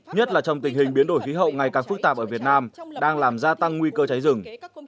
nhất là trong tình hình biến đổi khí hậu ngày càng phức tạp ở việt nam đang làm gia tăng nguy cơ cháy rừng